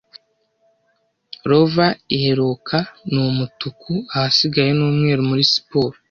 Rover iheruka ni umutuku ahasigaye ni umweru muri siporo